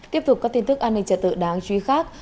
tiếp tục các tin tức an ninh trật tự đáng truy khác